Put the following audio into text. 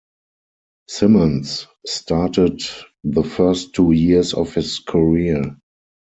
Simmons started the first two years of his career.